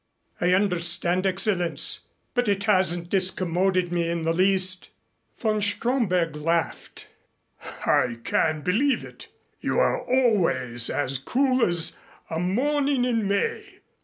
"I understand, Excellenz. But it hasn't discommoded me in the least." Von Stromberg laughed. "I can readily believe it. You are always as cool as a morning in May.